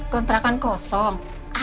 kontrakan kosong ada